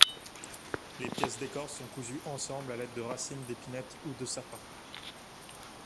Les pièces d'écorce sont cousues ensemble à l'aide de racines d'épinette ou de sapin.